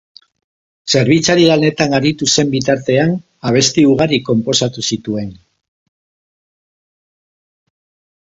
Zerbitzari lanetan aritu zen bitartean abesti ugari konposatu zituen.